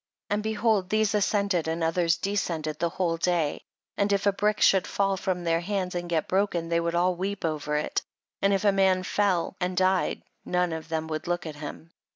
28. And behold these ascended and others descended the whole day ; and if a brick should fall from their hands and get broken, they would all weep over it, and if a man fell and died, none of them would look at him.